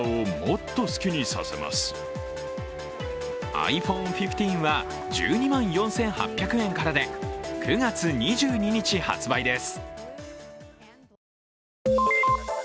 ｉＰｈｏｎｅ１５は１２万４８００円からで９月２２日発売です。